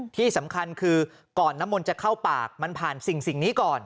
ที่สำคัญคือก่อนน้ำมนต์จะเข้าปากมันผ่านสิ่งนี้ก่อน